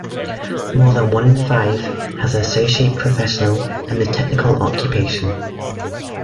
More than one in five has an associate professional and technical occupation.